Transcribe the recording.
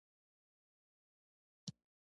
د پادري خړ رنګه څېره یو دم له خوښۍ څخه وځلېدله.